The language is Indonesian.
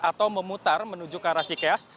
atau memutar menuju ke arah cikeas